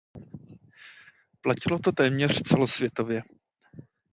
Platilo to téměř celosvětově.